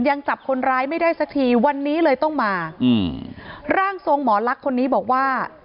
ยังจับคนร้ายไม่ได้สักทีวันนี้เลยต้องมาอืมร่างทรงหมอลักษณ์คนนี้บอกว่า